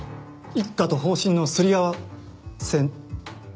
一課と方針のすり合わせに。